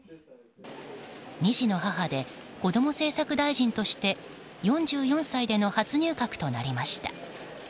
２児の母でこども政策大臣として４４歳での初入閣となりました。